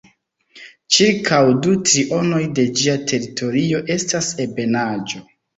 Ĉirkaŭ du trionoj de ĝia teritorio estas ebenaĵo.